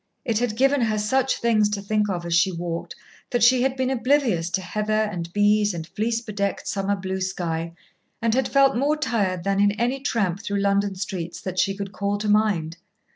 It had given her such things to think of as she walked that she had been oblivious to heather and bees and fleece bedecked summer blue sky, and had felt more tired than in any tramp through London streets that she could call to mind.